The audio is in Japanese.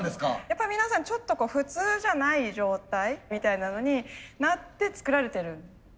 やっぱり皆さんちょっと普通じゃない状態みたいなのになって作られてるんですよね。